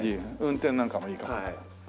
運転なんかもいいかも。